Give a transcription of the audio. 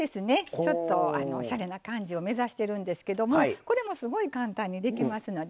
ちょっとおしゃれな感じを目指してるんですけどこれもすごい簡単にできますので。